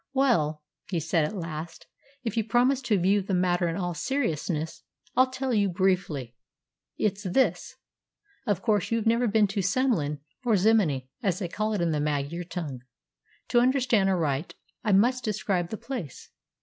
"Well," he said at last, "if you promise to view the matter in all seriousness, I'll tell you. Briefly, it's this. Of course, you've never been to Semlin or Zimony, as they call it in the Magyar tongue. To understand aright, I must describe the place.